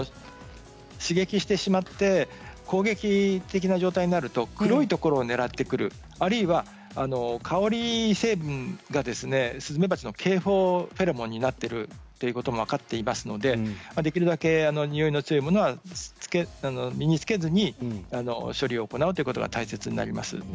刺激してしまって攻撃的な状態になると黒いところをねらってくるあるいは香り成分がスズメバチの警報フェロモンになっているということも分かっていますのでできるだけ、においの強いものは身につけずに処理を行うことが大切になります。